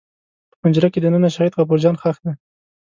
په پنجره کې دننه شهید غفور جان ښخ دی.